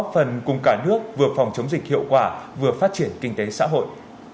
phát triển kinh tế xã hội